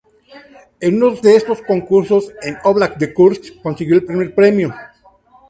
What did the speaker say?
En uno de estos concursos en Óblast de Kursk consiguió el primer premio.